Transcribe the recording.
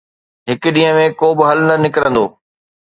هڪ ڏينهن ۾ ڪو به حل نه نڪرندو.